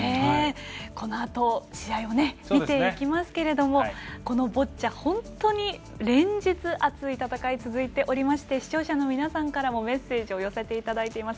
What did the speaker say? このあと試合を見ていきますがこのボッチャ、本当に連日熱い戦いが続いていまして視聴者の皆さんからもメッセージを寄せていただいています。